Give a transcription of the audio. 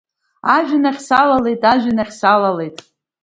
Ажәҩан ахь салалеит, ажәҩан ахь салалеит…